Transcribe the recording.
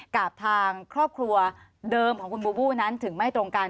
กับทางครอบครัวเดิมของคุณบูบูนั้นถึงไม่ตรงกัน